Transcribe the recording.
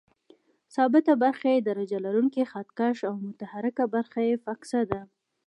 ثابته برخه یې درجه لرونکی خط کش او متحرکه برخه یې فکسه ده.